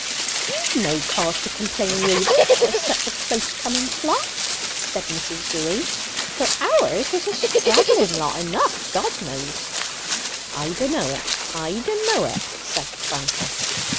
"You've no cause to complain, Reuben, of such a close coming flock," said Mrs. Dewy; "for ours was a straggling lot enough, God knows!" "I d'know it, I d'know it," said the tranter.